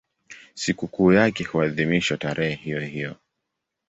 Sikukuu yake huadhimishwa tarehe hiyohiyo.